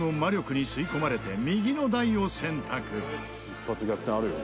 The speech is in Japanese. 一発逆転あるよ